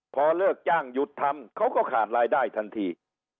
พอเลิกจ้างหยุดทำเขาก็ขาดรายได้ทันที